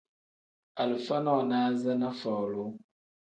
Alifa nonaza ni folu.